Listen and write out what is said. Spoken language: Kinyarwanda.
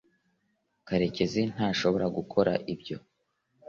karekezi ntashobora gukora ibyo